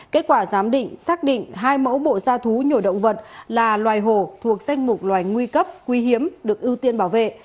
kết quả giám định xác định hai mẫu bộ gia thú nhổ động vật là loài hồ thuộc danh mục loài nguy cấp quý hiếm được ưu tiên bảo vệ